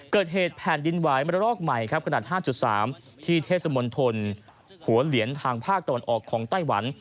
เกิดเหตุแผ่นดินไหวมระลอกใหม่ครับขนาด๕๓ที่เทศมนตรหัวเหลียนทางภาคตะวันออกของไต้หวัน